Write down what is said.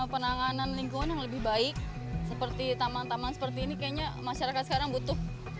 penanganan lingkungan yang lebih baik seperti taman taman seperti ini kayaknya masyarakat sekarang butuh